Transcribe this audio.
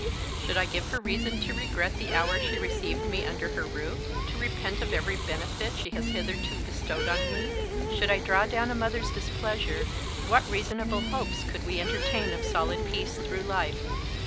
Should I give her reason to regret the hour she received me under her roof, to repent of every benefit she has hitherto bestowed on me; should I draw down a mother's displeasure, what reasonable hopes could we entertain of solid peace through life?